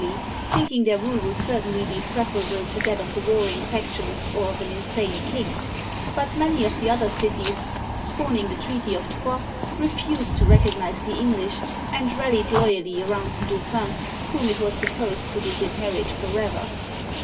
— 12 C^ \ uigitizea Dy vjiOOQlC l84 OLD FRANCE thinking their rule would certainly be preferable to that of warring factions or of an insane king; but many of the other cities, scorning the treaty of Troyes, refused to recognize the English, and rallied loyally around the Dau phin, whom it was supposed to disinherit forever.